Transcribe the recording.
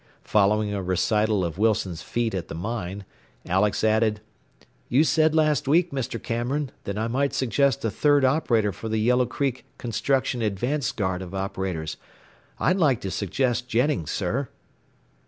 Following a recital of Wilson's feat at the mine, Alex added: "You said last week, Mr. Cameron, that I might suggest a third operator for the Yellow Creek construction 'advance guard' of operators. I'd like to suggest Jennings, sir."